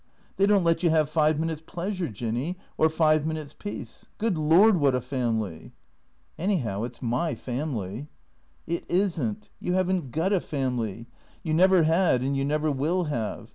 They don't let you have five minutes' pleasure, Jinny, or five minutes' peace. Good Lord, what a family !"" Anyhow, it 's my family." "It isn't. You haven't got a family; you never had and you never will have.